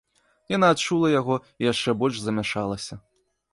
Яна адчула яго і яшчэ больш замяшалася.